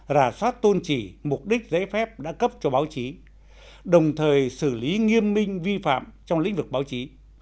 rà soát tôn trì mục đích giấy phép đã cấp cho báo chí đồng thời xử lý nghiêm minh vi phạm trong lĩnh vực báo chí